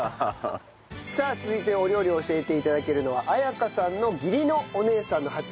さあ続いてお料理を教えて頂けるのは彩香さんの義理のお姉さんの初美さんです。